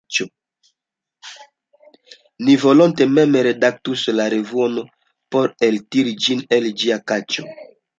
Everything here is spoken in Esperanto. Ni volonte mem redaktus la revuon por eltiri ĝin el ĝia kaĉo.